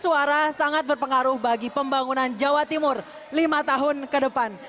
suara sangat berpengaruh bagi pembangunan jawa timur lima tahun ke depan